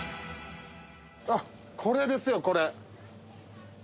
あっこれですよこれ。